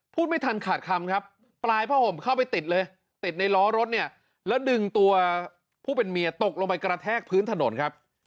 พูดไม่ทันขาดคำครับปลายผ้าห่มเข้าไปติดเลยติดในล้อรถเนี่ยแล้วดึงตัวผู้เป็นเมียตกลงไปกระแทกพื้นถนนครับ